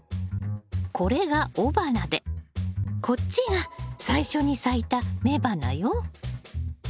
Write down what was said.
これが雄花でこっちが最初に咲いた雌花よ。